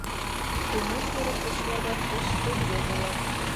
Күңел биреп эшләгән эш өлгө булыр